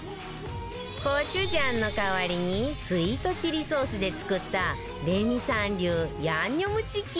コチュジャンの代わりにスイートチリソースで作ったレミさん流ヤンニョムチキン